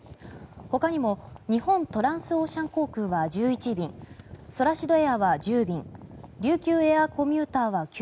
ほかにも日本トランスオーシャン航空は１１便ソラシドエアは１０便琉球エアーコミューターは９